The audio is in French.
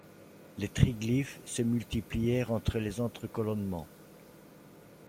Les triglyphes se multiplièrent entre les entrecolonnements.